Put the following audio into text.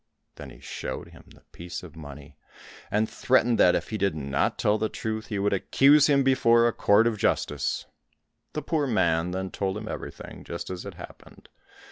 Then he showed him the piece of money, and threatened that if he did not tell the truth he would accuse him before a court of justice. The poor man then told him everything, just as it happened.